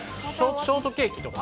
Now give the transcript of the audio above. ショートケーキとか。